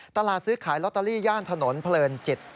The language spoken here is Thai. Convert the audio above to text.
ตลาดซื้อขายลอตเตอรี่ย่านถนนเพลินจิต